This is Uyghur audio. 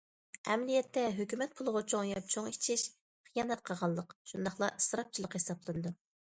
ئەمەلىيەتتە ھۆكۈمەت پۇلىغا چوڭ يەپ، چوڭ ئىچىش خىيانەت قىلغانلىق، شۇنداقلا ئىسراپچىلىق ھېسابلىنىدۇ.